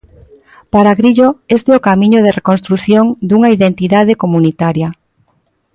Para Grillo, este é o camiño de reconstrución dunha identidade comunitaria.